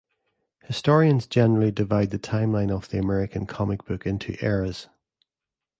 Historians generally divide the timeline of the American comic book into eras.